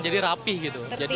jadi rapih gitu